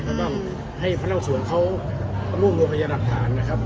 เขาต้องให้พนักศึกษ์เขาร่วมโลกัยรักฐานนะครับ